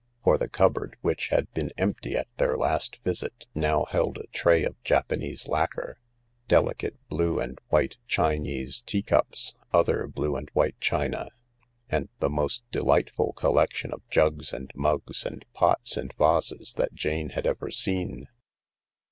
For the cupboard, which had been empty at their last visit, now held a tray of Japanese lacquer, delicate blue and white Chinese tea cups, other blue and white china, and the most delightful collection of jugs and mugs and pots and vases that Jane had ever seen.